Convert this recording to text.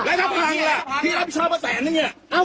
แล้วถ้าพังล่ะพี่รับผิดชอบมาแสนนึงเนี่ย